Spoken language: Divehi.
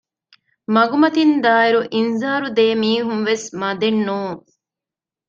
މަގުމަތިން ދާއިރު އިންޒާރު ދޭ މީހުން ވެސް މަދެއް ނޫން